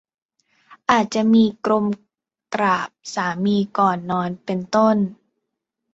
อาจจะมี "กรมกราบสามีก่อนนอน" เป็นต้น